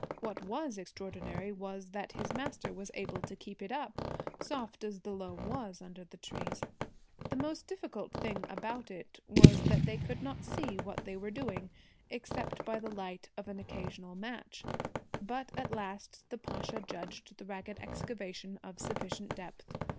What was extraordinary was that his master was able to keep it up, soft as the loam was under the trees. The most difficult thing about it was that they could not see what they were doing, except by the light of an occasional match. But at last the Pasha judged the ragged excavation of sufficient depth.